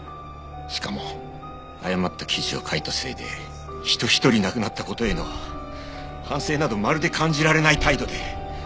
しかも誤った記事を書いたせいで人ひとり亡くなった事への反省などまるで感じられない態度で。